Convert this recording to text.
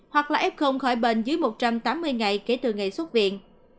hoặc là f khỏi bệnh dưới một trăm tám mươi ngày kể từ ngày xuất viện